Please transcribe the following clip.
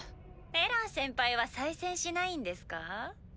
エラン先輩は再戦しないんですか？